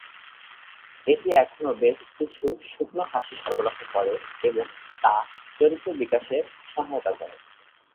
এটি এখনও "বেশ কিছু শুকনো হাসি" সরবরাহ করে এবং তা চরিত্র বিকাশে সহায়তা করে।